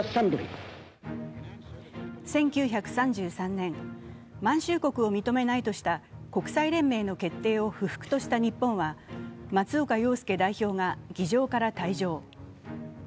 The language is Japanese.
１９３３年、満州国を認めないとした国際連盟の決定を不服とした日本は松岡洋右代表が議場から退場。